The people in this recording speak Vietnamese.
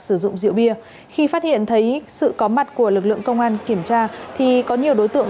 sử dụng rượu bia khi phát hiện thấy sự có mặt của lực lượng công an kiểm tra thì có nhiều đối tượng